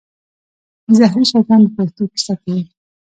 زهري شیطان د فرښتو کیسه کوي.